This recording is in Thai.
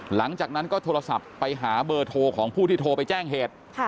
หลังจากนั้นก็โทรศัพท์ไปหาเบอร์โทรของผู้ที่โทรไปแจ้งเหตุ